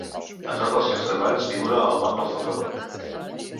A tots els seus treballs figura el nom del fundador.